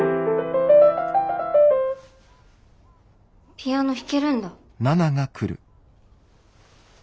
ピアノ弾けるんだ。